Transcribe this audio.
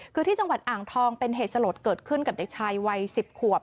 คือที่จังหวัดอ่างทองเป็นเหตุสลดเกิดขึ้นกับเด็กชายวัย๑๐ขวบ